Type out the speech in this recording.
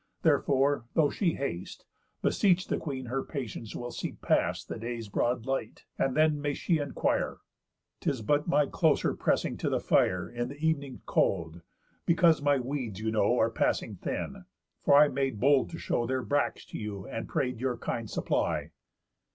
Therefore, though she haste, Beseech the Queen her patience will see past The day's broad light, and then may she enquire. 'Tis but my closer pressing to the fire In th' ev'ning's cold, because my weeds, you know, Are passing thin; for I made bold to show Their bracks to you, and pray'd your kind supply."